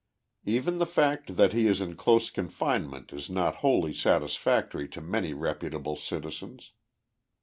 Even the fact that lie is in close confinement is not wholly satisfactory to many repu table citizens.